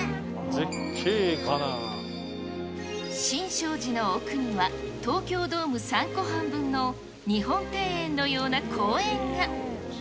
新勝寺の奥には、東京ドーム３個半分の日本庭園のような公園が。